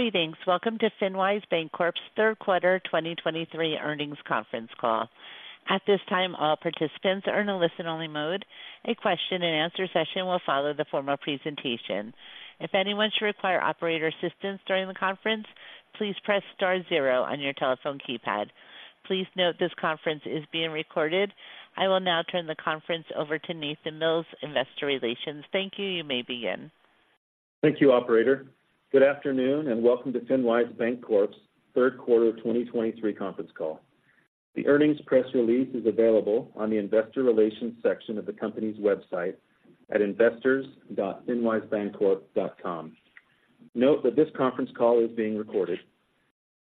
Greetings. Welcome to FinWise Bancorp's third quarter 2023 earnings conference call. At this time, all participants are in a listen-only mode. A question-and-answer session will follow the formal presentation. If anyone should require operator assistance during the conference, please press star zero on your telephone keypad. Please note this conference is being recorded. I will now turn the conference over to Nathan Mills, Investor Relations. Thank you. You may begin. Thank you, operator. Good afternoon, and welcome to FinWise Bancorp's third quarter 2023 conference call. The earnings press release is available on the Investor Relations section of the company's website at investors.finwisebancorp.com. Note that this conference call is being recorded.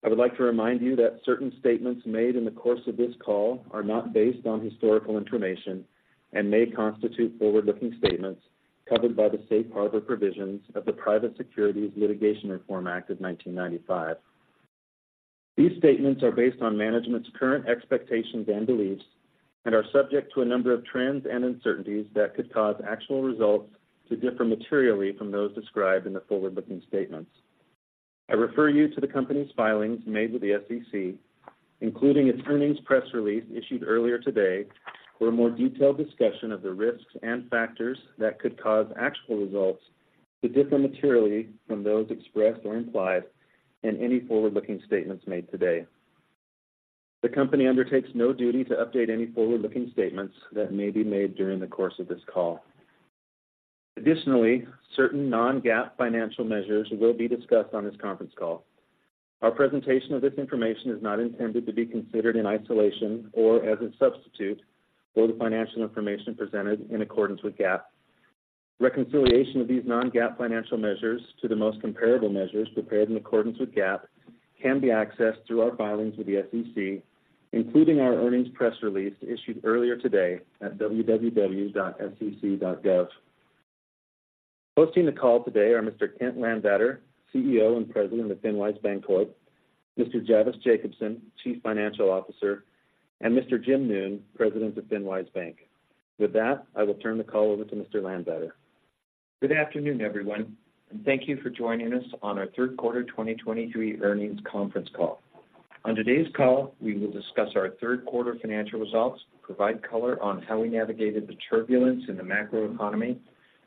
I would like to remind you that certain statements made in the course of this call are not based on historical information and may constitute forward-looking statements covered by the Safe Harbor provisions of the Private Securities Litigation Reform Act of 1995. These statements are based on management's current expectations and beliefs and are subject to a number of trends and uncertainties that could cause actual results to differ materially from those described in the forward-looking statements. I refer you to the company's filings made with the SEC, including its earnings press release issued earlier today, for a more detailed discussion of the risks and factors that could cause actual results to differ materially from those expressed or implied in any forward-looking statements made today. The company undertakes no duty to update any forward-looking statements that may be made during the course of this call. Additionally, certain non-GAAP financial measures will be discussed on this conference call. Our presentation of this information is not intended to be considered in isolation or as a substitute for the financial information presented in accordance with GAAP. Reconciliation of these non-GAAP financial measures to the most comparable measures prepared in accordance with GAAP can be accessed through our filings with the SEC, including our earnings press release issued earlier today at www.sec.gov. Hosting the call today are Mr. Kent Landvatter, CEO and President of FinWise Bancorp, Mr. Javvis Jacobson, Chief Financial Officer, and Mr. Jim Noone, President of FinWise Bank. With that, I will turn the call over to Mr. Landvatter. Good afternoon, everyone, and thank you for joining us on our third quarter 2023 earnings conference call. On today's call, we will discuss our third quarter financial results, provide color on how we navigated the turbulence in the macroeconomy,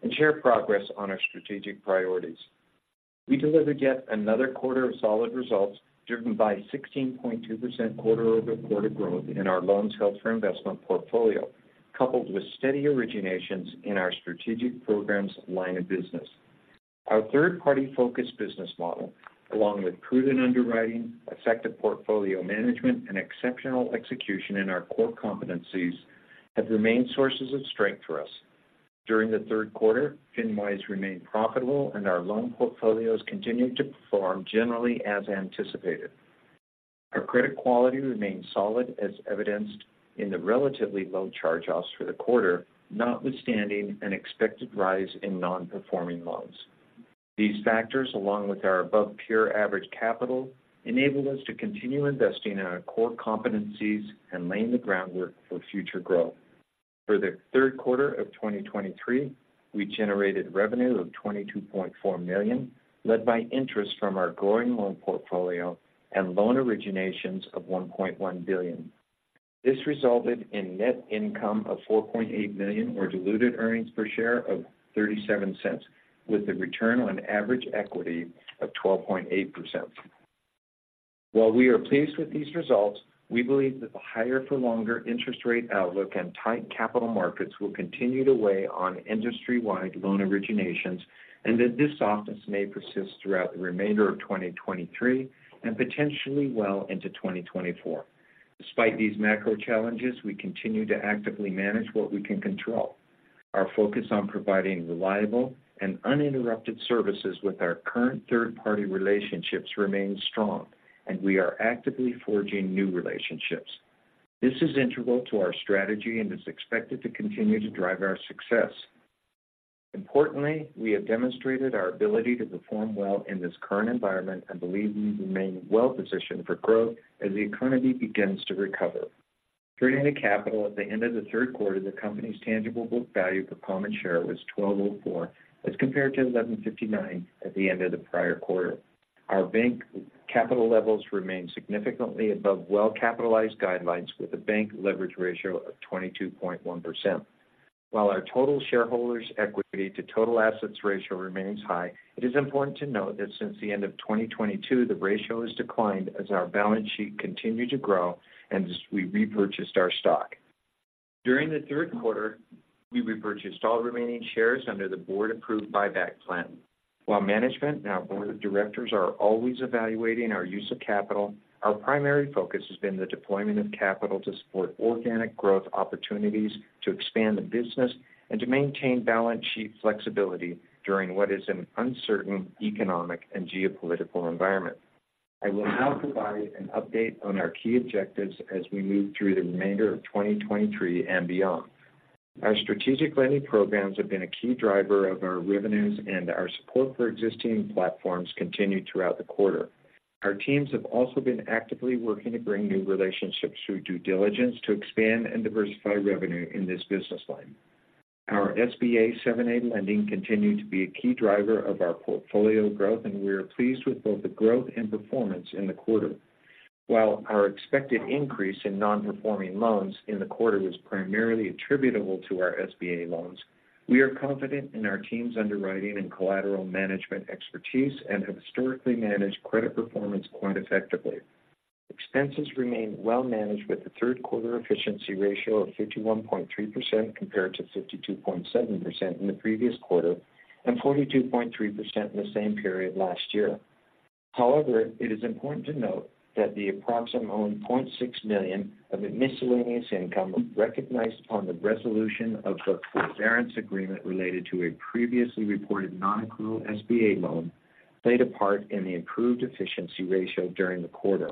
and share progress on our strategic priorities. We delivered yet another quarter of solid results, driven by 16.2% quarter-over-quarter growth in our loans held for investment portfolio, coupled with steady originations in our strategic programs line of business. Our third-party-focused business model, along with prudent underwriting, effective portfolio management, and exceptional execution in our core competencies, have remained sources of strength for us. During the third quarter, FinWise remained profitable, and our loan portfolios continued to perform generally as anticipated. Our credit quality remained solid, as evidenced in the relatively low charge-offs for the quarter, notwithstanding an expected rise in non-performing loans. These factors, along with our above-peer average capital, enabled us to continue investing in our core competencies and laying the groundwork for future growth. For the third quarter of 2023, we generated revenue of $22.4 million, led by interest from our growing loan portfolio and loan originations of $1.1 billion. This resulted in net income of $4.8 million, or diluted earnings per share of $0.37, with a return on average equity of 12.8%. While we are pleased with these results, we believe that the higher-for-longer interest rate outlook and tight capital markets will continue to weigh on industry-wide loan originations and that this softness may persist throughout the remainder of 2023 and potentially well into 2024. Despite these macro challenges, we continue to actively manage what we can control. Our focus on providing reliable and uninterrupted services with our current third-party relationships remains strong, and we are actively forging new relationships. This is integral to our strategy and is expected to continue to drive our success. Importantly, we have demonstrated our ability to perform well in this current environment and believe we remain well positioned for growth as the economy begins to recover. Turning to capital, at the end of the third quarter, the company's tangible book value per common share was $12.04, as compared to $11.59 at the end of the prior quarter. Our bank capital levels remain significantly above well-capitalized guidelines, with a bank leverage ratio of 22.1%. While our total shareholders' equity to total assets ratio remains high, it is important to note that since the end of 2022, the ratio has declined as our balance sheet continued to grow and as we repurchased our stock. During the third quarter, we repurchased all remaining shares under the board-approved buyback plan. While management and our board of directors are always evaluating our use of capital, our primary focus has been the deployment of capital to support organic growth opportunities, to expand the business, and to maintain balance sheet flexibility during what is an uncertain economic and geopolitical environment. I will now provide an update on our key objectives as we move through the remainder of 2023 and beyond. Our strategic lending programs have been a key driver of our revenues, and our support for existing platforms continued throughout the quarter. Our teams have also been actively working to bring new relationships through due diligence to expand and diversify revenue in this business line...Our SBA 7(a) lending continued to be a key driver of our portfolio growth, and we are pleased with both the growth and performance in the quarter. While our expected increase in nonperforming loans in the quarter was primarily attributable to our SBA loans, we are confident in our team's underwriting and collateral management expertise and have historically managed credit performance quite effectively. Expenses remained well managed, with a third quarter efficiency ratio of 51.3% compared to 52.7% in the previous quarter and 42.3% in the same period last year. However, it is important to note that the approximate $0.6 million of the miscellaneous income recognized upon the resolution of the forbearance agreement related to a previously reported nonaccrual SBA loan played a part in the improved efficiency ratio during the quarter.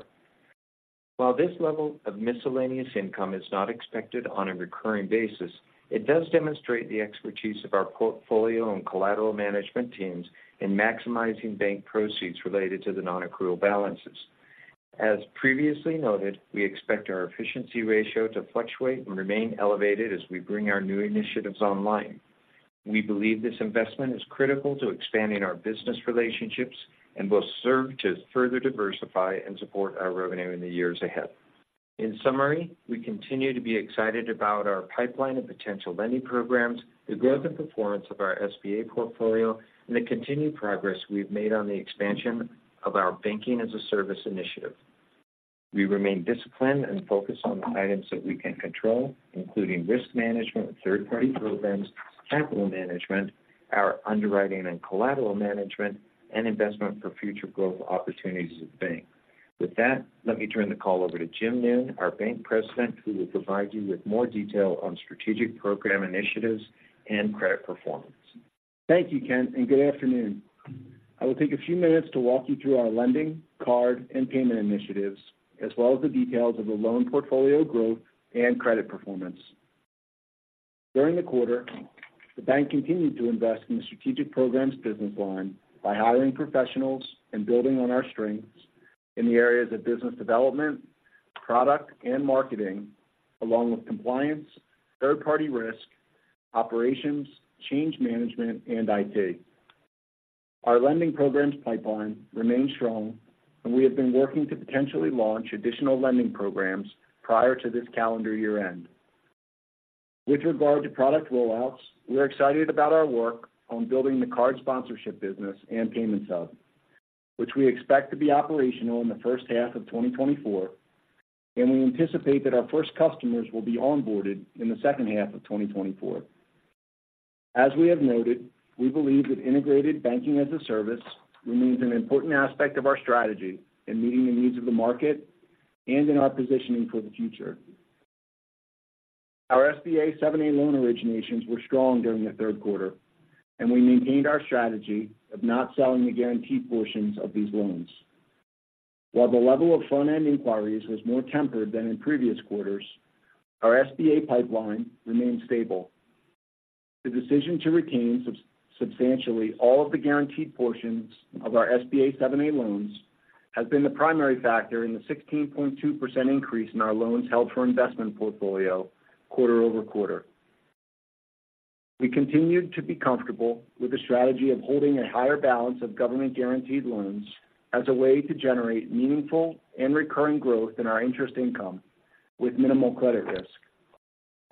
While this level of miscellaneous income is not expected on a recurring basis, it does demonstrate the expertise of our portfolio and collateral management teams in maximizing bank proceeds related to the nonaccrual balances. As previously noted, we expect our efficiency ratio to fluctuate and remain elevated as we bring our new initiatives online. We believe this investment is critical to expanding our business relationships and will serve to further diversify and support our revenue in the years ahead. In summary, we continue to be excited about our pipeline of potential lending programs, the growth and performance of our SBA portfolio, and the continued progress we've made on the expansion of our banking-as-a-service initiative. We remain disciplined and focused on the items that we can control, including risk management, third-party programs, capital management, our underwriting and collateral management, and investment for future growth opportunities of the bank. With that, let me turn the call over to Jim Noone, our Bank President, who will provide you with more detail on strategic program initiatives and credit performance. Thank you, Kent, and good afternoon. I will take a few minutes to walk you through our lending, card, and payment initiatives, as well as the details of the loan portfolio growth and credit performance. During the quarter, the bank continued to invest in the Strategic Programs business line by hiring professionals and building on our strengths in the areas of business development, product and marketing, along with compliance, third-party risk, operations, change management, and IT. Our lending programs pipeline remains strong, and we have been working to potentially launch additional lending programs prior to this calendar year-end. With regard to product rollouts, we're excited about our work on building the card sponsorship business and Payments Hub, which we expect to be operational in the first half of 2024, and we anticipate that our first customers will be onboarded in the second half of 2024. As we have noted, we believe that integrated banking as a service remains an important aspect of our strategy in meeting the needs of the market and in our positioning for the future. Our SBA 7(a) loan originations were strong during the third quarter, and we maintained our strategy of not selling the guaranteed portions of these loans. While the level of front-end inquiries was more tempered than in previous quarters, our SBA pipeline remained stable. The decision to retain substantially all of the guaranteed portions of our SBA 7(a) loans has been the primary factor in the 16.2% increase in our loans held for investment portfolio quarter-over-quarter. We continued to be comfortable with the strategy of holding a higher balance of government-guaranteed loans as a way to generate meaningful and recurring growth in our interest income with minimal credit risk,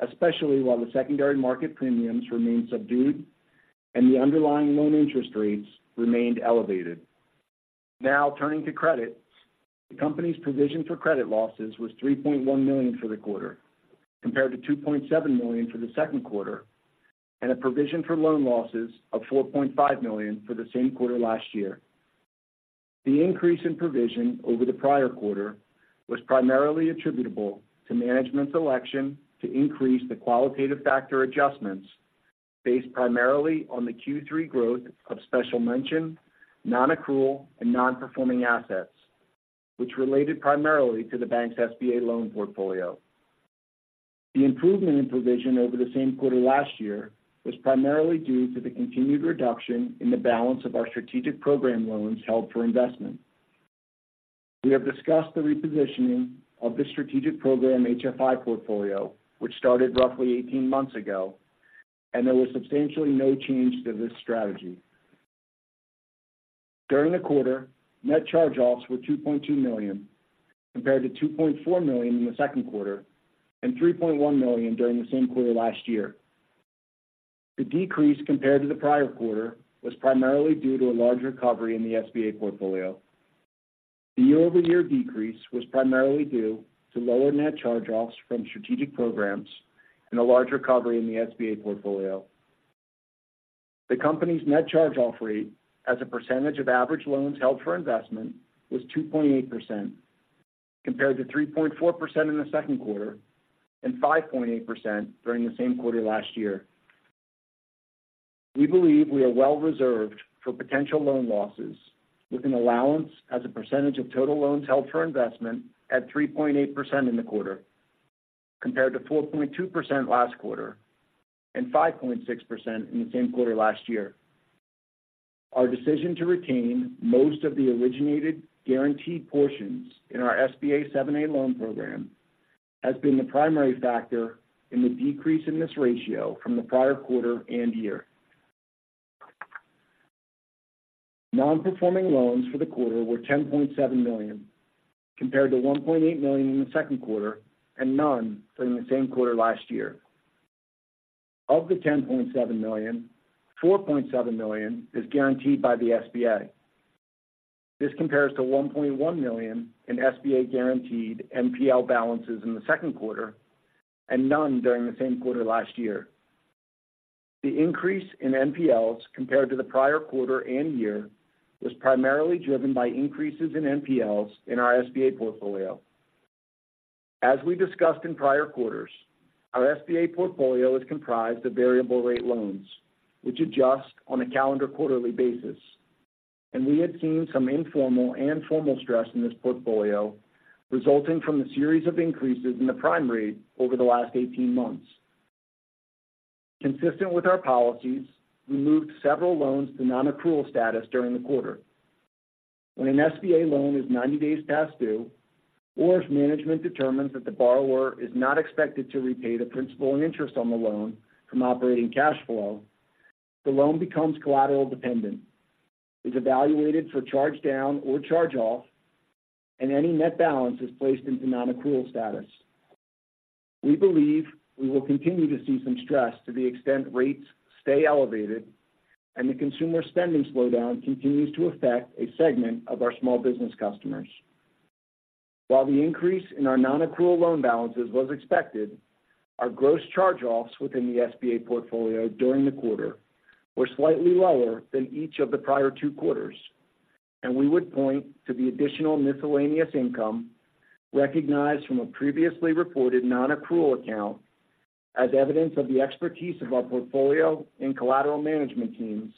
especially while the secondary market premiums remained subdued and the underlying loan interest rates remained elevated. Now, turning to credit. The company's provision for credit losses was $3.1 million for the quarter, compared to $2.7 million for the second quarter, and a provision for loan losses of $4.5 million for the same quarter last year. The increase in provision over the prior quarter was primarily attributable to management's election to increase the qualitative factor adjustments based primarily on the Q3 growth of Special Mention, non-accrual, and non-performing assets, which related primarily to the bank's SBA loan portfolio. The improvement in provision over the same quarter last year was primarily due to the continued reduction in the balance of our Strategic Program loans held for investment. We have discussed the repositioning of the Strategic Program HFI portfolio, which started roughly 18 months ago, and there was substantially no change to this strategy. During the quarter, net charge-offs were $2.2 million, compared to $2.4 million in the second quarter and $3.1 million during the same quarter last year. The decrease compared to the prior quarter was primarily due to a large recovery in the SBA portfolio. The year-over-year decrease was primarily due to lower net charge-offs from Strategic Programs and a large recovery in the SBA portfolio. The company's net charge-off rate as a percentage of average loans held for investment was 2.8%, compared to 3.4% in the second quarter and 5.8% during the same quarter last year. We believe we are well reserved for potential loan losses, with an allowance as a percentage of total loans held for investment at 3.8% in the quarter, compared to 4.2% last quarter and 5.6% in the same quarter last year. Our decision to retain most of the originated guaranteed portions in our SBA 7(a) Loan Program has been the primary factor in the decrease in this ratio from the prior quarter and year. Non-performing loans for the quarter were $10.7 million, compared to $1.8 million in the second quarter and none during the same quarter last year. Of the $10.7 million, $4.7 million is guaranteed by the SBA. This compares to $1.1 million in SBA guaranteed NPL balances in the second quarter and none during the same quarter last year. The increase in NPLs compared to the prior quarter and year was primarily driven by increases in NPLs in our SBA portfolio. As we discussed in prior quarters, our SBA portfolio is comprised of variable rate loans, which adjust on a calendar quarterly basis, and we had seen some informal and formal stress in this portfolio, resulting from a series of increases in the Prime Rate over the last 18 months. Consistent with our policies, we moved several loans to non-accrual status during the quarter. When an SBA loan is 90 days past due, or if management determines that the borrower is not expected to repay the principal and interest on the loan from operating cash flow, the loan becomes collateral dependent, is evaluated for charge down or charge-off, and any net balance is placed into nonaccrual status. We believe we will continue to see some stress to the extent rates stay elevated and the consumer spending slowdown continues to affect a segment of our small business customers. While the increase in our nonaccrual loan balances was expected, our gross charge-offs within the SBA portfolio during the quarter were slightly lower than each of the prior two quarters, and we would point to the additional miscellaneous income recognized from a previously reported nonaccrual account as evidence of the expertise of our portfolio and collateral management teams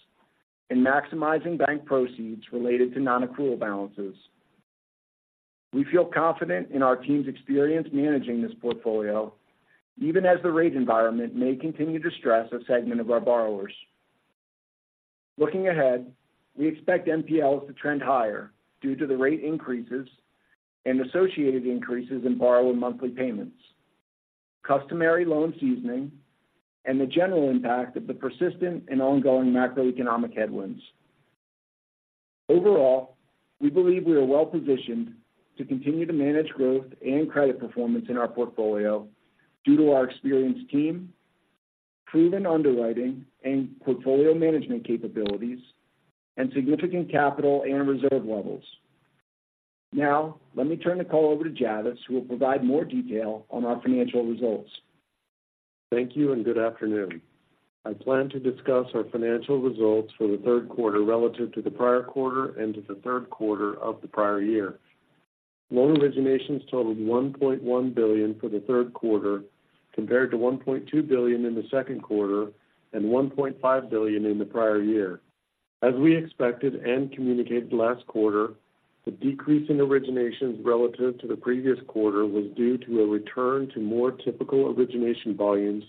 in maximizing bank proceeds related to nonaccrual balances. We feel confident in our team's experience managing this portfolio, even as the rate environment may continue to stress a segment of our borrowers. Looking ahead, we expect NPLs to trend higher due to the rate increases and associated increases in borrower monthly payments, customary loan seasoning, and the general impact of the persistent and ongoing macroeconomic headwinds. Overall, we believe we are well-positioned to continue to manage growth and credit performance in our portfolio due to our experienced team, proven underwriting and portfolio management capabilities, and significant capital and reserve levels. Now, let me turn the call over to Javvis, who will provide more detail on our financial results. Thank you, and good afternoon. I plan to discuss our financial results for the third quarter relative to the prior quarter and to the third quarter of the prior year. Loan originations totaled $1.1 billion for the third quarter, compared to $1.2 billion in the second quarter and $1.5 billion in the prior year. As we expected and communicated last quarter, the decrease in originations relative to the previous quarter was due to a return to more typical origination volumes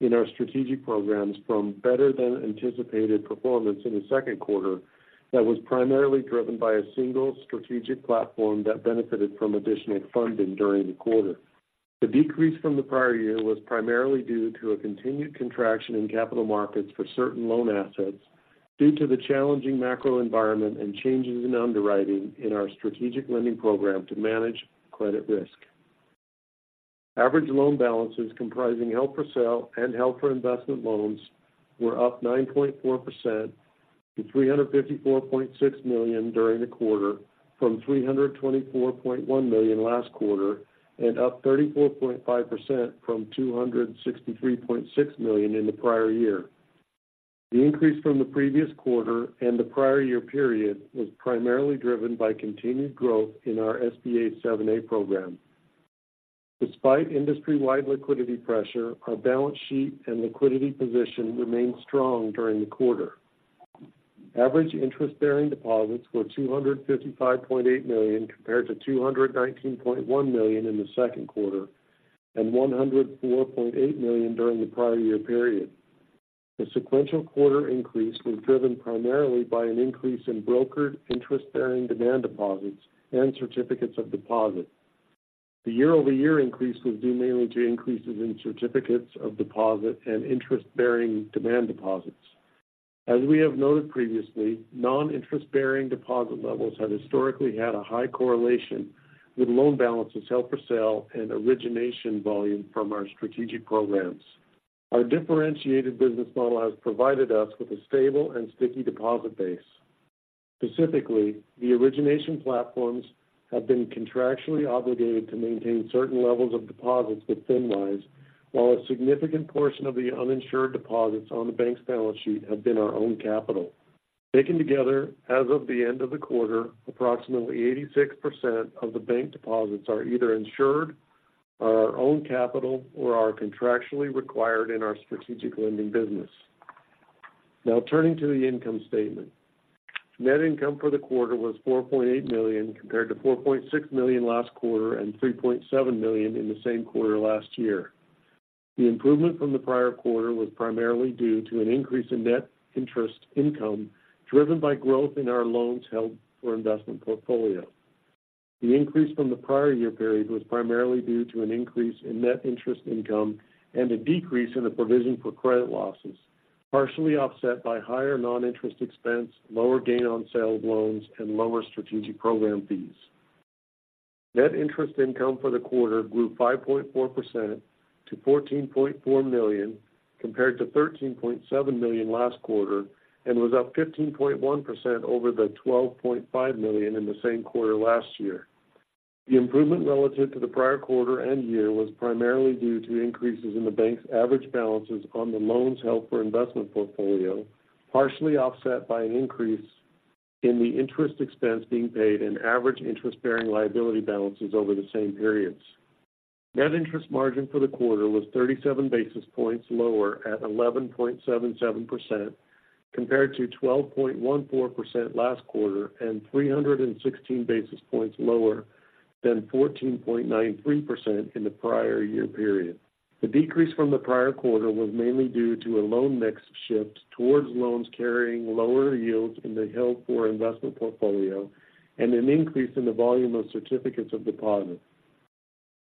in our Strategic Programs from better-than-anticipated performance in the second quarter that was primarily driven by a single strategic platform that benefited from additional funding during the quarter. The decrease from the prior year was primarily due to a continued contraction in capital markets for certain loan assets, due to the challenging macro environment and changes in underwriting in our strategic lending program to manage credit risk. Average loan balances comprising held for sale and held for investment loans were up 9.4% to $354.6 million during the quarter, from $324.1 million last quarter, and up 34.5% from $263.6 million in the prior year. The increase from the previous quarter and the prior year period was primarily driven by continued growth in our SBA 7(a) program. Despite industry-wide liquidity pressure, our balance sheet and liquidity position remained strong during the quarter. Average interest-bearing deposits were $255.8 million, compared to $219.1 million in the second quarter and $104.8 million during the prior year period. The sequential quarter increase was driven primarily by an increase in brokered interest-bearing demand deposits and certificates of deposit. The year-over-year increase was due mainly to increases in certificates of deposit and interest-bearing demand deposits. As we have noted previously, non-interest-bearing deposit levels have historically had a high correlation with loan balances held for sale and origination volume from our strategic programs. Our differentiated business model has provided us with a stable and sticky deposit base. Specifically, the origination platforms have been contractually obligated to maintain certain levels of deposits with FinWise, while a significant portion of the uninsured deposits on the bank's balance sheet have been our own capital. Taken together, as of the end of the quarter, approximately 86% of the bank deposits are either insured, are our own capital, or are contractually required in our strategic lending business. Now turning to the income statement. Net income for the quarter was $4.8 million, compared to $4.6 million last quarter and $3.7 million in the same quarter last year. The improvement from the prior quarter was primarily due to an increase in net interest income, driven by growth in our loans held for investment portfolio. The increase from the prior year period was primarily due to an increase in net interest income and a decrease in the provision for credit losses, partially offset by higher non-interest expense, lower gain on sale of loans, and lower strategic program fees. Net interest income for the quarter grew 5.4% to $14.4 million, compared to $13.7 million last quarter, and was up 15.1% over the $12.5 million in the same quarter last year. The improvement relative to the prior quarter and year was primarily due to increases in the bank's average balances on the loans held for investment portfolio, partially offset by an increase in the interest expense being paid and average interest-bearing liability balances over the same periods. Net interest margin for the quarter was 37 basis points lower at 11.77%, compared to 12.14% last quarter, and 316 basis points lower than 14.93% in the prior year period. The decrease from the prior quarter was mainly due to a loan mix shift towards loans carrying lower yields in the held for investment portfolio and an increase in the volume of certificates of deposit.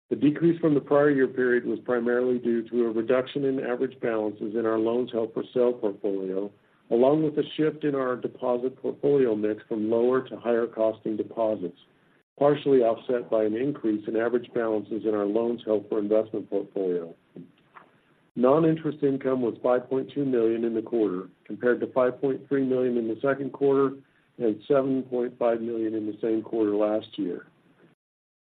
The decrease from the prior year period was primarily due to a reduction in average balances in our loans held for sale portfolio, along with a shift in our deposit portfolio mix from lower to higher costing deposits, partially offset by an increase in average balances in our loans held for investment portfolio. Noninterest income was $5.2 million in the quarter, compared to $5.3 million in the second quarter and $7.5 million in the same quarter last year.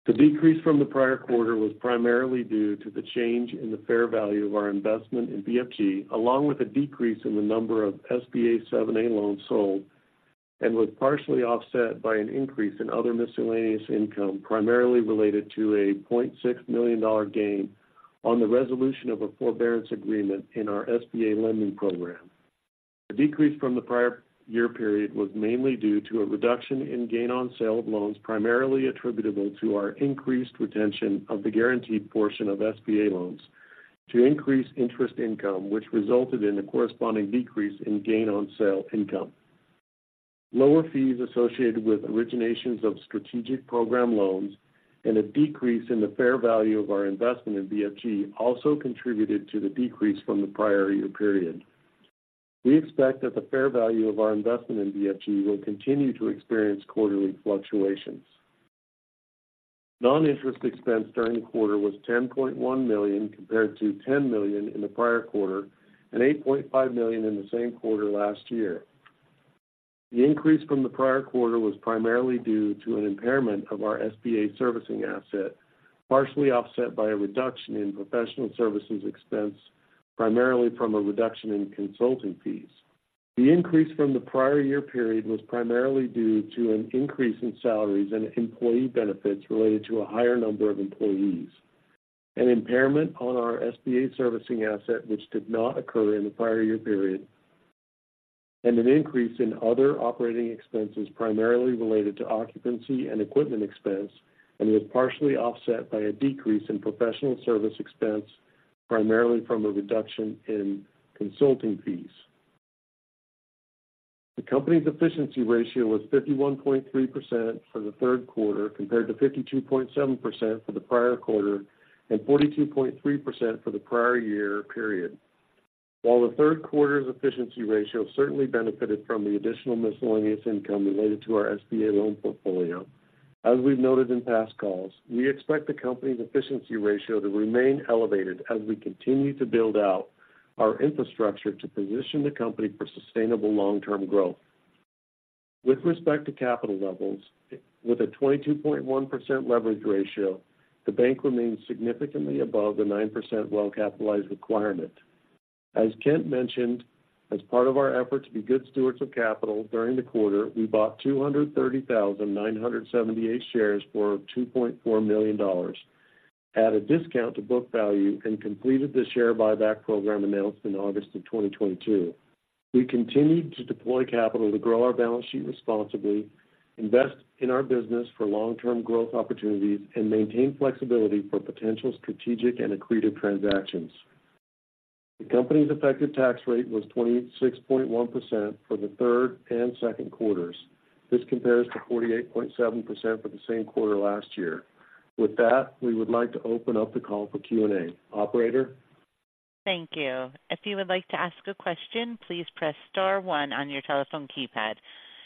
The decrease from the prior quarter was primarily due to the change in the fair value of our investment in BFG, along with a decrease in the number of SBA 7(a) loans sold, and was partially offset by an increase in other miscellaneous income, primarily related to a $0.6 million gain on the resolution of a forbearance agreement in our SBA lending program. The decrease from the prior year period was mainly due to a reduction in gain on sale of loans, primarily attributable to our increased retention of the guaranteed portion of SBA loans to increase interest income, which resulted in a corresponding decrease in gain on sale income. Lower fees associated with originations of strategic program loans and a decrease in the fair value of our investment in BFG also contributed to the decrease from the prior year period. We expect that the fair value of our investment in BFG will continue to experience quarterly fluctuations. Non-interest expense during the quarter was $10.1 million, compared to $10 million in the prior quarter and $8.5 million in the same quarter last year. The increase from the prior quarter was primarily due to an impairment of our SBA servicing asset, partially offset by a reduction in professional services expense, primarily from a reduction in consulting fees. The increase from the prior year period was primarily due to an increase in salaries and employee benefits related to a higher number of employees, an impairment on our SBA servicing asset, which did not occur in the prior year period, and an increase in other operating expenses, primarily related to occupancy and equipment expense, and was partially offset by a decrease in professional service expense, primarily from a reduction in consulting fees. The company's Efficiency Ratio was 51.3% for the third quarter, compared to 52.7% for the prior quarter and 42.3% for the prior year period. While the third quarter's efficiency ratio certainly benefited from the additional miscellaneous income related to our SBA loan portfolio, as we've noted in past calls, we expect the company's efficiency ratio to remain elevated as we continue to build out our infrastructure to position the company for sustainable long-term growth. With respect to capital levels, with a 22.1% leverage ratio, the bank remains significantly above the 9% well-capitalized requirement. As Kent mentioned, as part of our effort to be good stewards of capital, during the quarter, we bought 230,978 shares for $2.4 million at a discount to book value and completed the share buyback program announced in August 2022. We continued to deploy capital to grow our balance sheet responsibly, invest in our business for long-term growth opportunities, and maintain flexibility for potential strategic and accretive transactions. The company's effective tax rate was 26.1% for the third and second quarters. This compares to 48.7% for the same quarter last year. With that, we would like to open up the call for Q&A. Operator? Thank you. If you would like to ask a question, please press star one on your telephone keypad.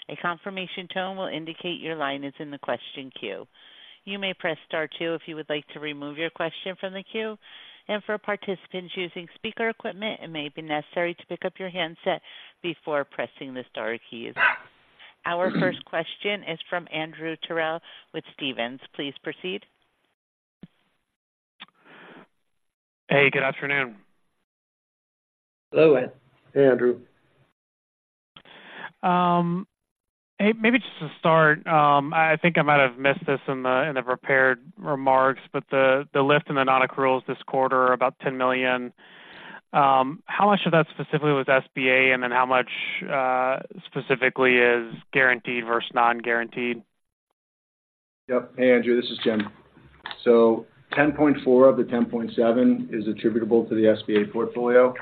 A confirmation tone will indicate your line is in the question queue. You may press star two if you would like to remove your question from the queue. For participants using speaker equipment, it may be necessary to pick up your handset before pressing the star keys. Our first question is from Andrew Terrell with Stephens. Please proceed. Hey, good afternoon. Hello. Hey, Andrew. Hey, maybe just to start, I think I might have missed this in the prepared remarks, but the lift in the nonaccruals this quarter are about $10 million. How much of that specifically was SBA? And then how much specifically is guaranteed versus non-guaranteed?... Yep. Hey, Andrew, this is Jim. So 10.4 of the 10.7 is attributable to the SBA portfolio,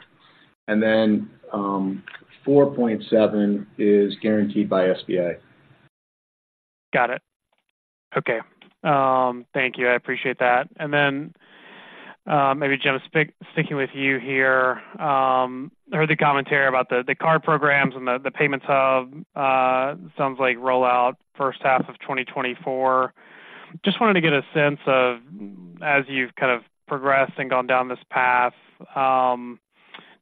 and then, 4.7 is guaranteed by SBA. Got it. Okay. Thank you. I appreciate that. And then, maybe, Jim, sticking with you here. I heard the commentary about the card programs and the Payments Hub. Sounds like rollout first half of 2024. Just wanted to get a sense of, as you've kind of progressed and gone down this path,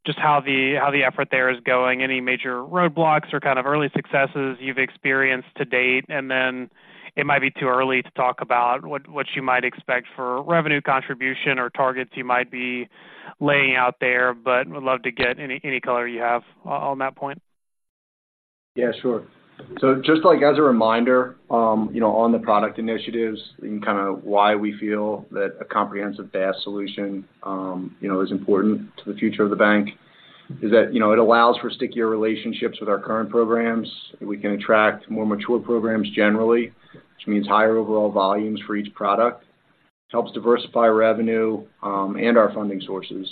just how the effort there is going. Any major roadblocks or kind of early successes you've experienced to date? And then it might be too early to talk about what you might expect for revenue contribution or targets you might be laying out there, but would love to get any color you have on that point. Yeah, sure. So just like as a reminder, you know, on the product initiatives and kind of why we feel that a comprehensive SaaS solution, you know, is important to the future of the bank, is that, you know, it allows for stickier relationships with our current programs. We can attract more mature programs generally, which means higher overall volumes for each product. It helps diversify revenue, and our funding sources.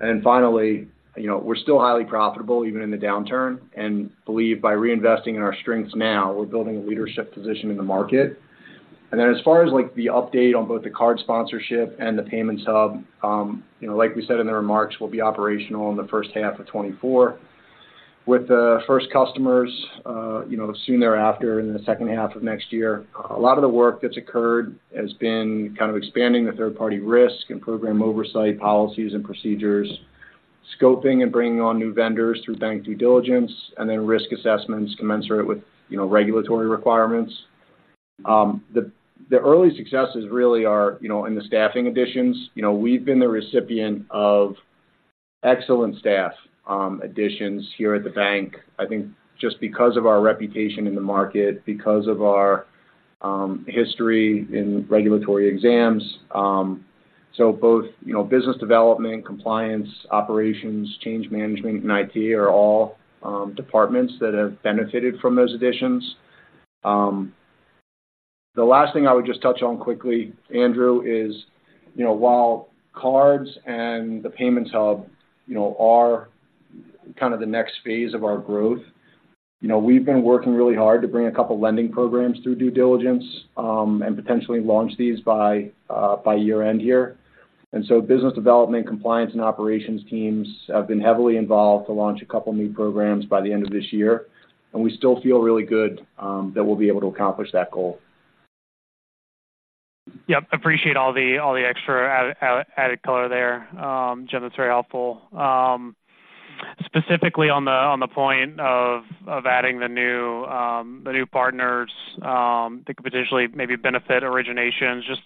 And then finally, you know, we're still highly profitable, even in the downturn, and believe by reinvesting in our strengths now, we're building a leadership position in the market. And then as far as, like, the update on both the card sponsorship and the Payments Hub, you know, like we said in the remarks, we'll be operational in the first half of 2024. With the first customers, you know, soon thereafter, in the second half of next year. A lot of the work that's occurred has been kind of expanding the third-party risk and program oversight policies and procedures, scoping and bringing on new vendors through bank due diligence, and then risk assessments commensurate with, you know, regulatory requirements. The early successes really are, you know, in the staffing additions. You know, we've been the recipient of excellent staff additions here at the bank. I think just because of our reputation in the market, because of our history in regulatory exams. So both, you know, business development, compliance, operations, change management, and IT are all departments that have benefited from those additions. The last thing I would just touch on quickly, Andrew, is, you know, while cards and the payments hub, you know, are kind of the next phase of our growth, you know, we've been working really hard to bring a couple lending programs through due diligence, and potentially launch these by, by year-end here. And so business development, compliance, and operations teams have been heavily involved to launch a couple new programs by the end of this year, and we still feel really good, that we'll be able to accomplish that goal. Yep. Appreciate all the, all the extra added color there. Jim, that's very helpful. Specifically on the, on the point of, of adding the new, the new partners, that could potentially maybe benefit originations. Just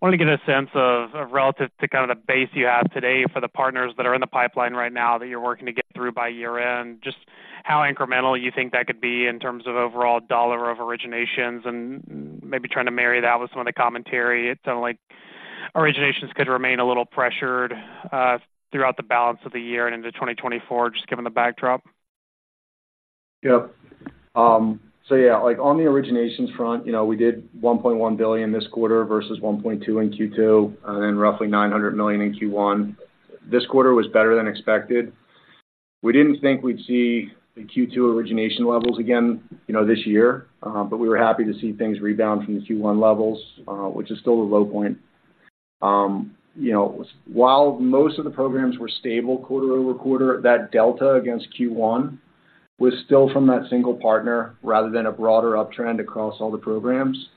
wanted to get a sense of, of relative to kind of the base you have today for the partners that are in the pipeline right now that you're working to get through by year-end. Just how incremental you think that could be in terms of overall dollar of originations, and maybe trying to marry that with some of the commentary. It sounds like originations could remain a little pressured, throughout the balance of the year and into 2024, just given the backdrop. Yep. Yeah, like on the originations front, you know, we did $1.1 billion this quarter versus $1.2 billion in Q2, and then roughly $900 million in Q1. This quarter was better than expected. We didn't think we'd see the Q2 origination levels again, you know, this year, but we were happy to see things rebound from the Q1 levels, which is still the low point. You know, while most of the programs were stable quarter-over-quarter, that delta against Q1 was still from that single partner rather than a broader uptrend across all the programs.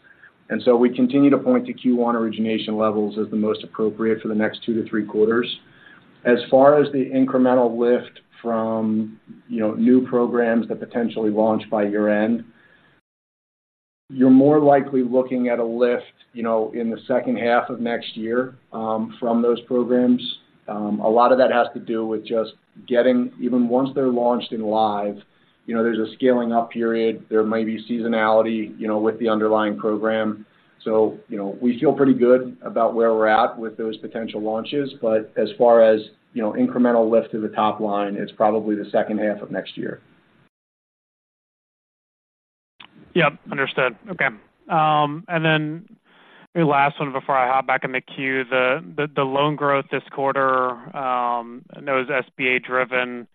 We continue to point to Q1 origination levels as the most appropriate for the next two to three quarters. As far as the incremental lift from, you know, new programs that potentially launch by year-end, you're more likely looking at a lift, you know, in the second half of next year, from those programs. A lot of that has to do with just getting... Even once they're launched and live, you know, there's a scaling up period. There might be seasonality, you know, with the underlying program. So, you know, we feel pretty good about where we're at with those potential launches, but as far as, you know, incremental lift to the top line, it's probably the second half of next year. Yep, understood. Okay. And then the last one before I hop back in the queue. The loan growth this quarter, I know is SBA-driven.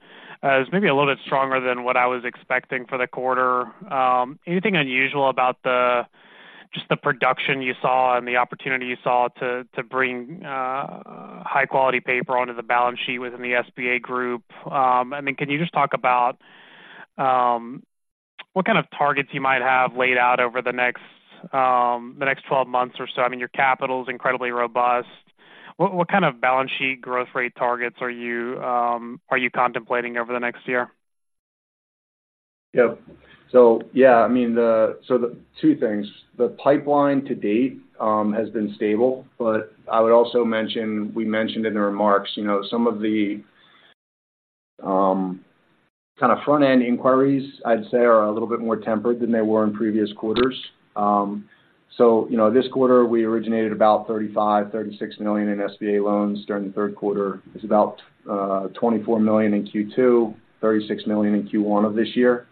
It's maybe a little bit stronger than what I was expecting for the quarter. Anything unusual about just the production you saw and the opportunity you saw to bring high-quality paper onto the balance sheet within the SBA group? I mean, can you just talk about what kind of targets you might have laid out over the next 12 months or so? I mean, your capital is incredibly robust. What kind of balance sheet growth rate targets are you contemplating over the next year? Yep. So yeah, I mean, the two things. The pipeline to date has been stable, but I would also mention, we mentioned in the remarks, you know, some of the kind of front-end inquiries, I'd say, are a little bit more tempered than they were in previous quarters. So you know, this quarter, we originated about $35-$36 million in SBA loans during the third quarter. It's about $24 million in Q2, $36 million in Q1 of this year.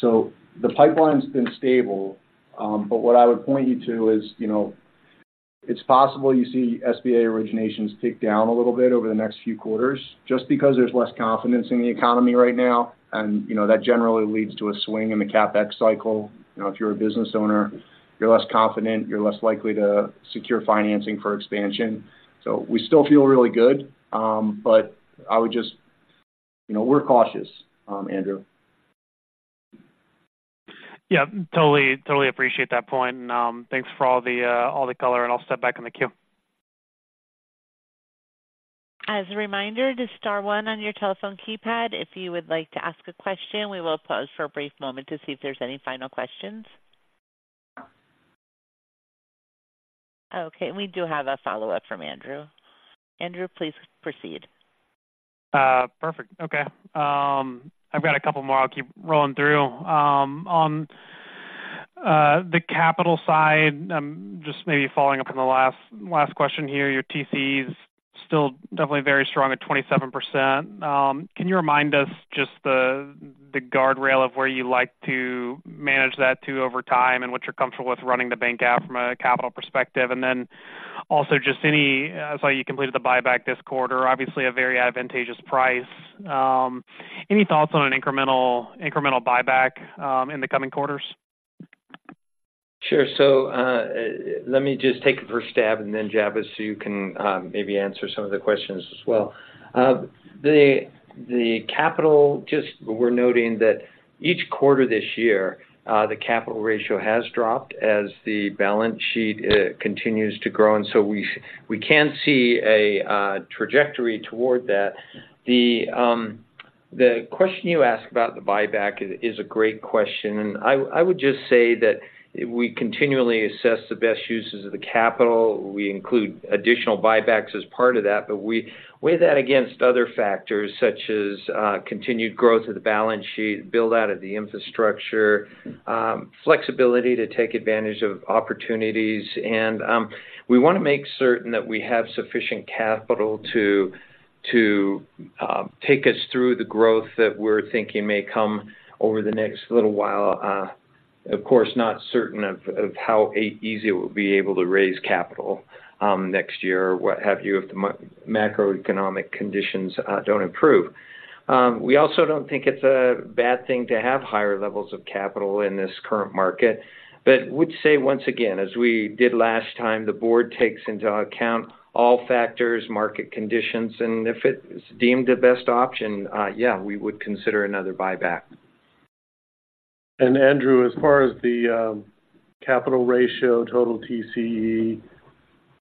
So the pipeline's been stable, but what I would point you to is, you know-... It's possible you see SBA originations tick down a little bit over the next few quarters just because there's less confidence in the economy right now. And, you know, that generally leads to a swing in the CapEx cycle. You know, if you're a business owner, you're less confident, you're less likely to secure financing for expansion. So we still feel really good, but I would just, you know, we're cautious, Andrew. Yeah, totally, totally appreciate that point. And, thanks for all the color, and I'll step back in the queue. As a reminder, just star one on your telephone keypad if you would like to ask a question. We will pause for a brief moment to see if there's any final questions. Okay, we do have a follow-up from Andrew. Andrew, please proceed. Perfect. Okay. I've got a couple more I'll keep rolling through. On the capital side, just maybe following up on the last question here, your TCE is still definitely very strong at 27%. Can you remind us just the guardrail of where you like to manage that to over time and what you're comfortable with running the bank out from a capital perspective? And then also, just any—I saw you completed the buyback this quarter, obviously a very advantageous price. Any thoughts on an incremental buyback in the coming quarters? Sure. So, let me just take a first stab, and then, Javvis, you can maybe answer some of the questions as well. The capital, just we're noting that each quarter this year, the capital ratio has dropped as the balance sheet continues to grow, and so we can see a trajectory toward that. The question you asked about the buyback is a great question, and I would just say that we continually assess the best uses of the capital. We include additional buybacks as part of that, but we weigh that against other factors, such as continued growth of the balance sheet, build out of the infrastructure, flexibility to take advantage of opportunities. We want to make certain that we have sufficient capital to take us through the growth that we're thinking may come over the next little while. Of course, not certain of how easy it will be able to raise capital next year or what have you, if the macroeconomic conditions don't improve. We also don't think it's a bad thing to have higher levels of capital in this current market. But would say, once again, as we did last time, the board takes into account all factors, market conditions, and if it's deemed the best option, yeah, we would consider another buyback. And Andrew, as far as the capital ratio, total TCE,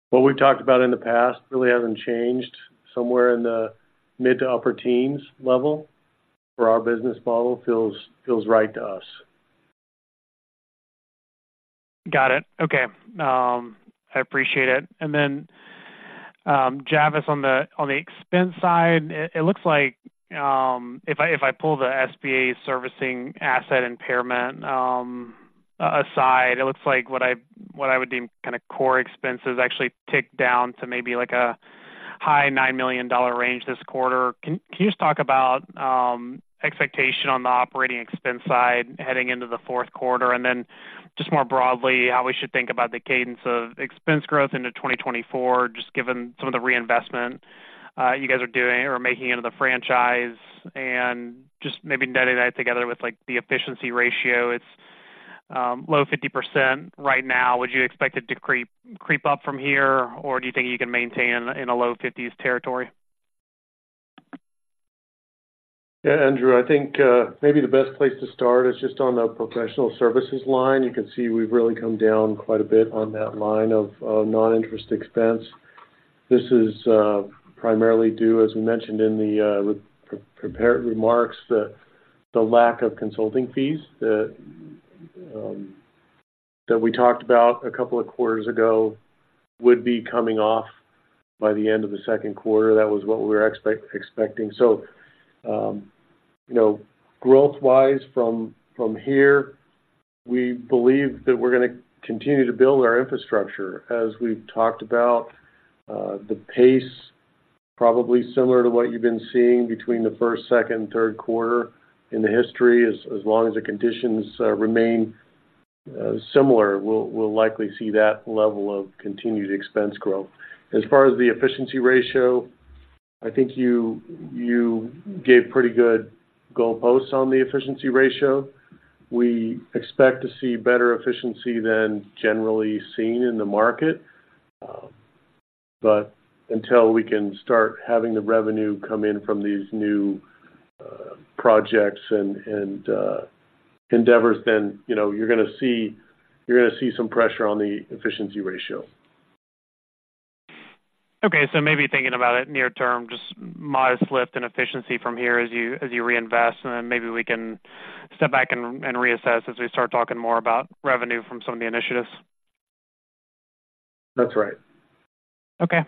what we've talked about in the past really hasn't changed. Somewhere in the mid- to upper-teens level for our business model feels right to us. Got it. Okay. I appreciate it. And then, Javvis, on the expense side, it looks like if I pull the SBA servicing asset impairment aside, it looks like what I would deem kind of core expenses actually tick down to maybe like a high $9 million range this quarter. Can you just talk about expectation on the operating expense side heading into the fourth quarter? And then just more broadly, how we should think about the cadence of expense growth into 2024, just given some of the reinvestment you guys are doing or making into the franchise? And just maybe knitting that together with, like, the efficiency ratio. It's low 50% right now. Would you expect it to creep, creep up from here, or do you think you can maintain in a low fifties territory? Yeah, Andrew, I think maybe the best place to start is just on the professional services line. You can see we've really come down quite a bit on that line of non-interest expense. This is primarily due, as we mentioned in the prepared remarks, the lack of consulting fees that we talked about a couple of quarters ago would be coming off by the end of the second quarter. That was what we were expecting. So, you know, growth-wise from here, we believe that we're gonna continue to build our infrastructure. As we've talked about, the pace, probably similar to what you've been seeing between the first, second, and third quarter in the history. As long as the conditions remain similar, we'll likely see that level of continued expense growth. As far as the Efficiency Ratio, I think you gave pretty good goalposts on the Efficiency Ratio. We expect to see better efficiency than generally seen in the market. But until we can start having the revenue come in from these new projects and endeavors, then, you know, you're gonna see some pressure on the Efficiency Ratio. Okay. So maybe thinking about it near term, just modest lift and efficiency from here as you, as you reinvest, and then maybe we can step back and, and reassess as we start talking more about revenue from some of the initiatives. That's right. Okay.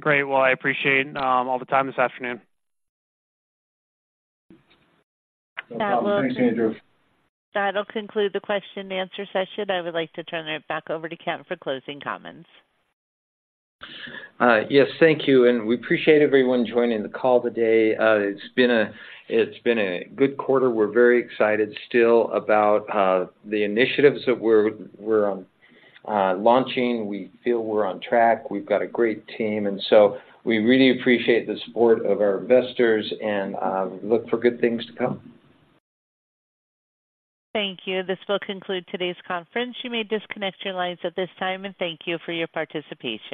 Great. Well, I appreciate all the time this afternoon. That will- Thanks, Andrew. That will conclude the question and answer session. I would like to turn it back over to Kent for closing comments. Yes, thank you, and we appreciate everyone joining the call today. It's been a good quarter. We're very excited still about the initiatives that we're launching. We feel we're on track. We've got a great team, and so we really appreciate the support of our investors and look for good things to come. Thank you. This will conclude today's conference. You may disconnect your lines at this time, and thank you for your participation.